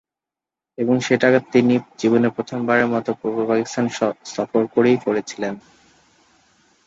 এবং সেটা তিনি জীবনে প্রথমবারের মতো পূর্ব পাকিস্তান সফর করেই করেছিলেন।